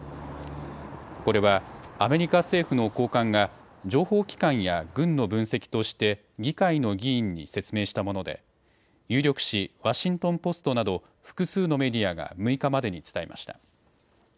これはアメリカ政府の高官が情報機関や軍の分析として議会の議員に説明したもので有力紙、ワシントン・ポストなど複数のメディアが６日までに伝えました。